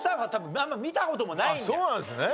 あっそうなんですね。